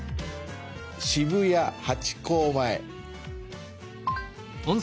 渋谷ハチ公前。